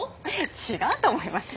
違うと思いますよ。